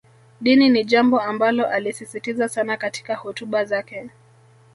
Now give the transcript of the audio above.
Dini ni jambo ambalo alisisitiza sana katika hotuba zake